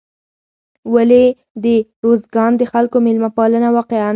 ولې د روزګان د خلکو میلمه پالنه واقعا